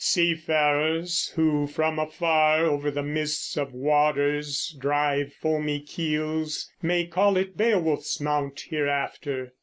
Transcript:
Seafarers Who from afar over the mists of waters Drive foamy keels may call it Beowulf's Mount Hereafter."